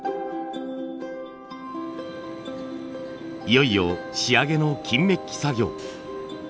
いよいよ仕上げの金メッキ作業。